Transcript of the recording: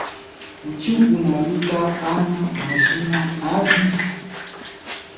Kuchi unaluka ana majina api?